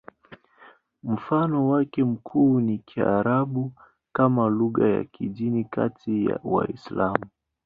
Mfano wake mkuu ni Kiarabu kama lugha ya kidini kati ya Waislamu.